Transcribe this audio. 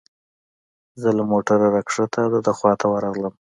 زه له موټره را کښته او د ده خواته ورغلم.